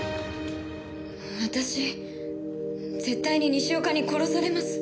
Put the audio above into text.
私絶対に西岡に殺されます。